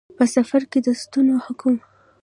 په. سفر کې د سنتو حکم